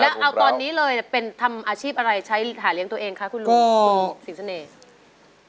แล้วเอาตอนนี้เลยเป็นทำอาชีพอะไรใช้หาเลี้ยงตัวเองคะคุณลุงสิงเสน่ห์